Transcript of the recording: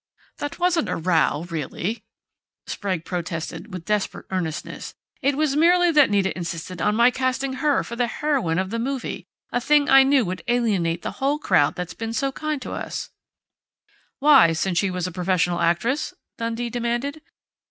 "There wasn't a row, really," Sprague protested with desperate earnestness. "It was merely that Nita insisted on my casting her for the heroine of the movie a thing I knew would alienate the whole crowd that's been so kind to us " "Why since she was a professional actress?" Dundee demanded.